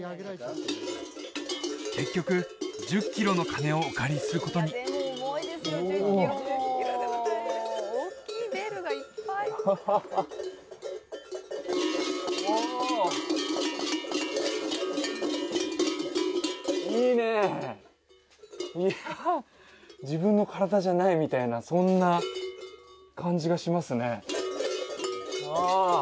結局１０キロの鐘をお借りすることにおおいいねいや自分の体じゃないみたいなそんな感じがしますねああ